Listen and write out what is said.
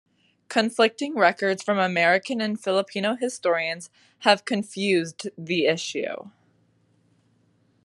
Conflicting records from American and Filipino historians have confused the issue.